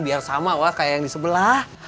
biar sama waa kayak yang disebelah